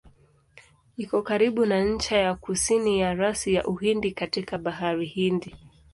Iko karibu na ncha ya kusini ya rasi ya Uhindi katika Bahari Hindi.